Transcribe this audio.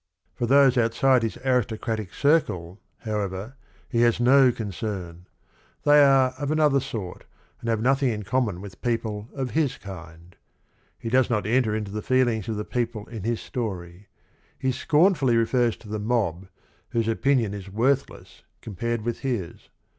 For those outside his aristocratic circle, however, he has no concern. They are of another sort and have nothing in common with people of his kind. He does not enter int o the feelings of the people in his story. H e scorn fully refers to the "mob" whose opinion is worth less compared with his.